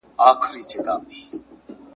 آیا سواد د انسان پر شخصیت اغېز لري؟